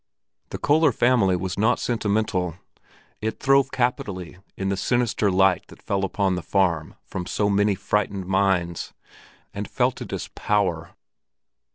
The Köller family was not sentimental; it throve capitally in the sinister light that fell upon the farm from so many frightened minds, and felt it as power.